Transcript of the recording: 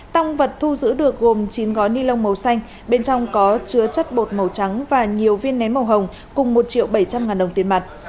tăng vật thu giữ được gồm chín gói ni lông màu xanh bên trong có chứa chất bột màu trắng và nhiều viên nén màu hồng cùng một triệu bảy trăm linh ngàn đồng tiền mặt